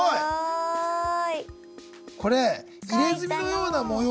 はい。